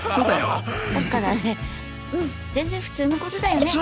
だからねうん全然普通のことだよね。